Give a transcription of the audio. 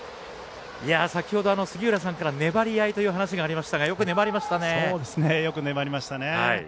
先ほど、杉浦さんから粘り合いという話ありましたがよく粘りましたね。